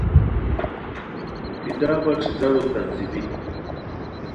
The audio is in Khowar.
کتابہ ݯھترارو تہذیبی